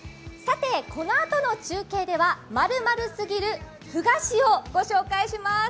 このあとの中継では○○すぎるふ菓子をご紹介します。